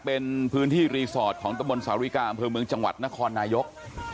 เป็นพื้นที่รีสอร์ทของตะบนสาริกาอำเภอเมืองจังหวัดนครนายก